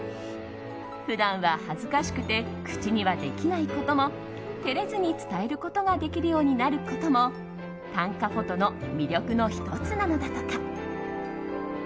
普段は恥ずかしくて口にはできないことも照れずに伝えることができるようになることも短歌フォトの魅力の１つなのだとか。